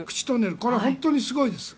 これは本当にすごいです。